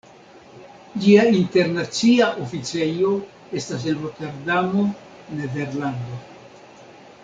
Ĝia internacia oficejo estas en Roterdamo, Nederlando.